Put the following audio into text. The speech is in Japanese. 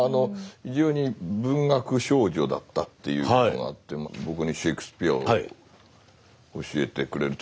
非常に文学少女だったというのがあって僕にシェークスピアを教えてくれる。